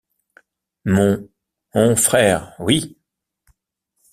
Mon... on frère, oui.